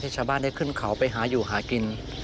ชาวบ้านได้ขึ้นเขาไปหาอยู่หากิน